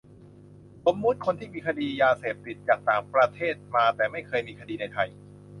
สมมติมีคนที่มีคดียาเสพติดจากต่างประเทศมา แต่ไม่เคยมีคดีในไทย